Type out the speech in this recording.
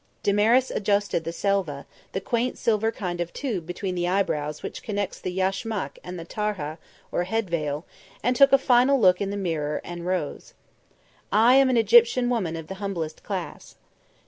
Damaris adjusted the selva, the quaint silver kind of tube between the eyebrows which connects the yashmak and the tarhah or head veil, took a final look in the mirror, and rose. "I am an Egyptian woman of the humblest class."